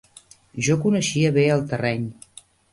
Jo coneixia bé el terreny